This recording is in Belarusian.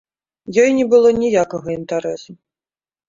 Ёй не было ніякага інтарэсу.